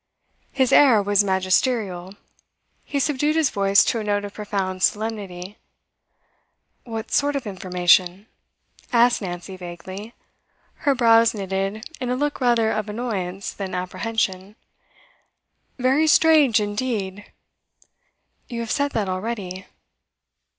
His air was magisterial; he subdued his voice to a note of profound solemnity. 'What sort of information?' asked Nancy vaguely, her brows knitted in a look rather of annoyance than apprehension. 'Very strange indeed.' 'You have said that already.